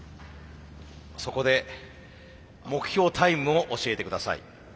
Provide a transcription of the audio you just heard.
そこで目標タイムを教えてください。